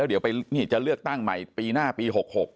เดี๋ยวจะเลือกตั้งใหม่ปีหน้าปี๖๖